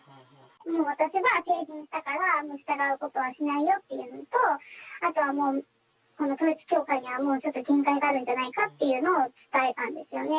もう私は成人したから従うことはしないよというのと、あとはもう、統一教会には、もうちょっと限界があるんじゃないかというのを伝えたんですよね。